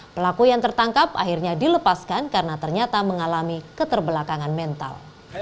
pelaku yang tertangkap akhirnya dilepaskan karena ternyata mengalami keterbelakangan mental